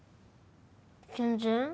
全然。